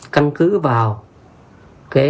căn cứ văn hóa